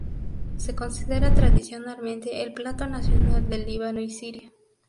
Se considera tradicionalmente el plato nacional del Líbano y Siria.